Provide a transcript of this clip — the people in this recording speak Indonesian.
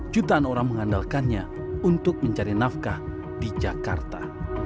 jutaan orang mengandalkannya untuk mencari nafkah di jakarta